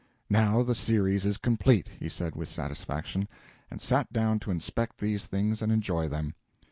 "Now the series is complete," he said with satisfaction, and sat down to inspect these things and enjoy them.